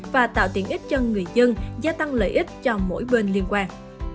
và tạo tiện ích cho người dân gia tăng lợi ích cho mỗi bên liên quan